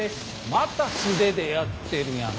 また素手でやってるやん。